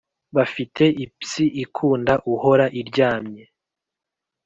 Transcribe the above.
Bafite ipsi ikunda uhora iryamye